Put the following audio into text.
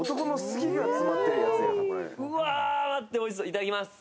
いただきます。